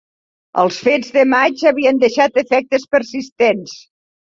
Els fets de maig havien deixat efectes persistents